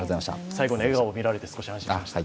最後に笑顔を見られて少し安心しました。